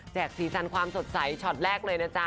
สีสันความสดใสช็อตแรกเลยนะจ๊